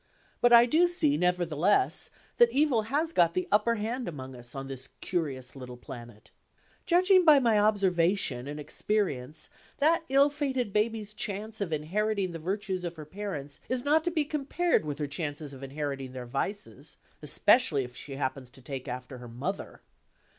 But I do see, nevertheless, that Evil has got the upper hand among us, on this curious little planet. Judging by my observation and experience, that ill fated baby's chance of inheriting the virtues of her parents is not to be compared with her chances of inheriting their vices; especially if she happens to take after her mother.